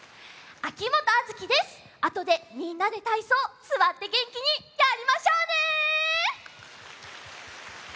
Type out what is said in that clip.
あとでみんなでたいそうすわってげんきにやりましょうね！